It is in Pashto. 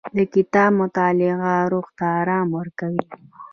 د کتاب مطالعه روح ته ارام ورکوي.